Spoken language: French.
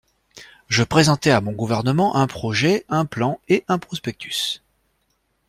Je présentai à mon gouvernement un projet, un plan et un prospectus…